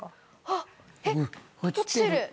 あっえっ落ちてる。